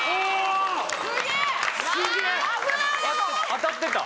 当たってた。